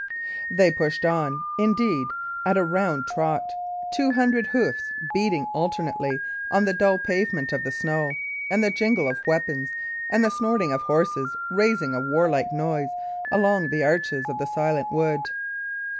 They pushed on, indeed, at a round trot, two hundred hoofs beating alternately on the dull pavement of the snow, and the jingle of weapons and the snorting of horses raising a warlike noise along the arches of the silent wood.